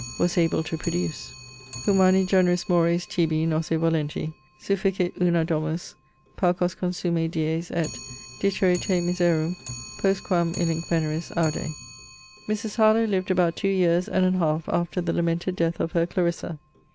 was able to produce. Humani generis mores tibi nôsse volenti Sufficit una domus: paucos consume dies, & Dicere te miserum, postquam illinc veneris, aude. Mrs. HARLOWE lived about two years and an half after the lamented death of her CLARISSA.